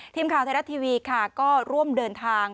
ทีมข่าวไทยรัฐทีวีค่ะก็ร่วมเดินทาง